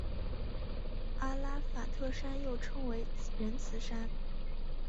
阿拉法特山又称为仁慈山。